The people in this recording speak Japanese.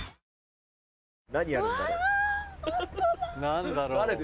何だろう。